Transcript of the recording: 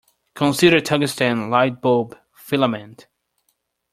Consider a tungsten light-bulb filament.